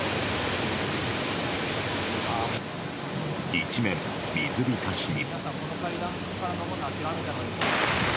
一面、水浸しに。